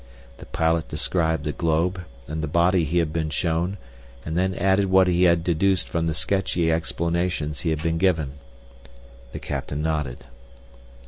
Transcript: The pilot described the globe and the body he had been shown and then added what he had deduced from the sketchy explanations he had been given. The captain nodded.